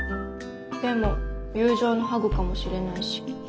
でも友情のハグかもしれないし。